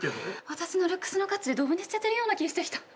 私のルックスの価値ドブに捨ててるような気してきた。